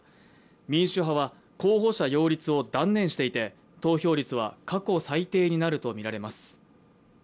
民主派は候補者擁立を断念していて投票率は過去最低になるとみられます。